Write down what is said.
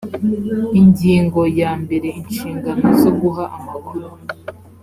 ingingo ya mbere inshingano zo guha amakuru